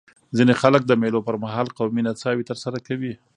ځيني خلک د مېلو پر مهال قومي نڅاوي ترسره کوي.